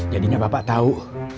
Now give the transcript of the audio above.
jadinya bapak tau